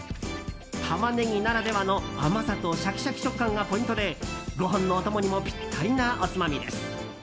タマネギならではの甘さとシャキシャキ食感がポイントでご飯のお供にもピッタリなおつまみです。